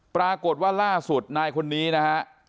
ปรากฏว่าล่าสุดนายคนนี้นะฮะ